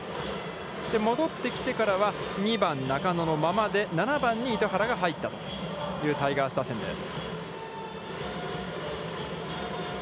戻ってきてからは２番中野のままで、７番に糸原が入ったというタイガース打線です。